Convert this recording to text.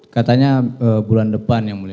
katanya bulan depan yang mulia